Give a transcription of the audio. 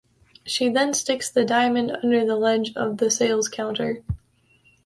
She then sticks the diamond under the ledge of the sales counter.